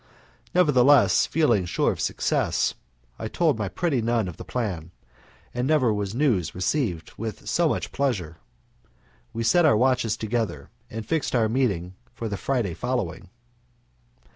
Nevertheless, feeling sure of success, I told my pretty nun of the plan, and never was news received with so much pleasure. We set our watches together, and fixed our meeting for the Friday following.